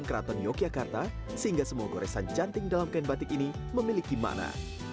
keraton yogyakarta sehingga semua goresan cantik dalam kain batik ini memiliki makna